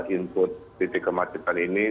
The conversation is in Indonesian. input titik kemacetan ini